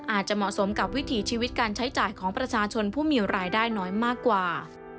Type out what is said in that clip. อาจจะเหมาะสมกับวิถีชีวิตการใช้จ่ายของประชาชนผู้มีรายได้น้อยมากกว่า